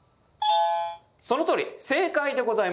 そのとおり正解でございます。